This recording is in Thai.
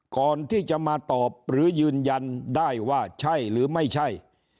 ก่อนที่จะมาตอบหรือยืนยันได้ว่าใช่หรือไม่ใช่